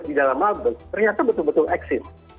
di dalam mabes ternyata betul betul exit